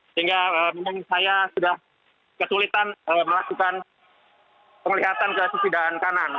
sehingga memang saya sudah kesulitan melakukan penglihatan ke sisi dan kanan